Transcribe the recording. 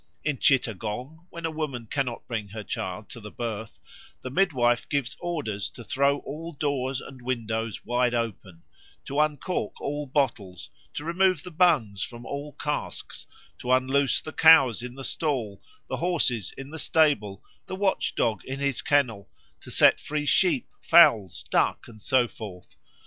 In Chittagong, when a woman cannot bring her child to the birth, the midwife gives orders to throw all doors and windows wide open, to uncork all bottles, to remove the bungs from all casks, to unloose the cows in the stall, the horses in the stable, the watchdog in his kennel, to set free sheep, fowls, ducks, and so forth.